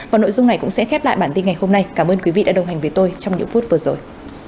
và nội dung này cũng sẽ khép lại bản tin ngày hôm nay cảm ơn quý vị đã đồng hành với tôi trong những phút vừa rồi